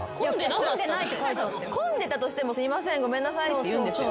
混んでたとしても「すいませんごめんなさい」って。